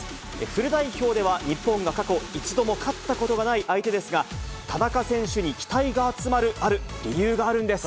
フル代表では日本が過去一度も勝ったことがない相手ですが、田中選手に期待が集まる、ある理由があるんです。